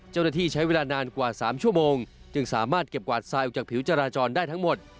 เจ้าหน้าที่ใช้เวลานานกว่า๓ชั่วโมงจึงสามารถเก็บกวาดทรายออกจากผิวจราจรได้ทั้งหมด